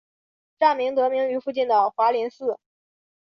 站名得名于附近的华林寺。